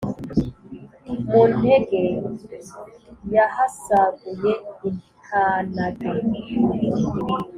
mu ntege yahasaguye intanage